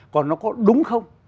còn nó có đúng không